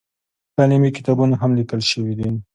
تعلیمي کتابونه هم لیکل شوي دي.